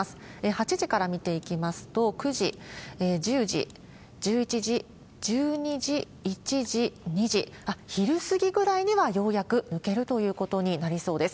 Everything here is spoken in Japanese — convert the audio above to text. ８時から見ていきますと、９時、１０時、１１時、１２時、１時、２時、昼過ぎぐらいにはようやく抜けるということになりそうです。